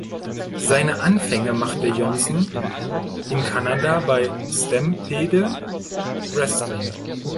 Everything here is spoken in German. Seine Anfänge machte Johnson in Kanada bei Stampede Wrestling.